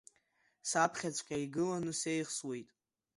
Саԥхьаҵәҟьа игыланы сеихсуеит.